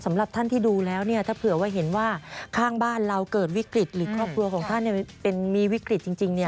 สำหรับท่านที่ดูแล้วถ้าเผื่อว่าเห็นว่าข้างบ้านเราเกิดวิกฤตหรือครอบครัวของท่านมีวิกฤตจริง